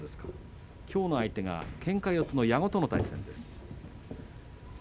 きょうの相手はけんか四つの矢後との対戦です。